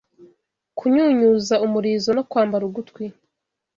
Kunyunyuza umurizo no kwambara ugutwi